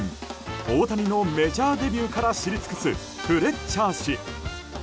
大谷のメジャーデビューから知り尽くすフレッチャー氏。